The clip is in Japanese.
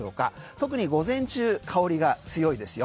特に午前中、香りが強いですよ。